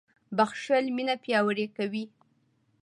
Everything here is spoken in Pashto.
• بښل مینه پیاوړې کوي.